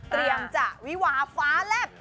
เตรียมจะวิวาฟ้าแลบ